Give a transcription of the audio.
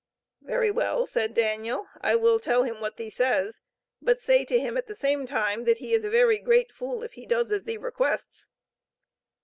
"Very well," said Daniel, "I will tell him what thee says, but say to him at the same time, that he is a very great fool, if he does as thee requests."